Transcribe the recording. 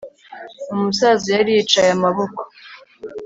Umusaza yari yicaye amaboko